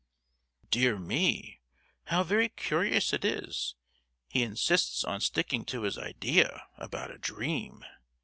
"Dear me! how very curious it is: he insists on sticking to his idea about a dream!"